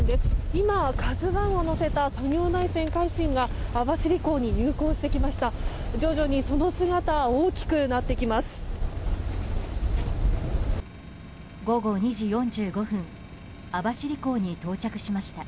今、「ＫＡＺＵ１」を載せた作業台船「海進」が網走港に入港してきました。